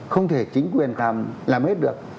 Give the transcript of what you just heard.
không thể chính quyền làm hết được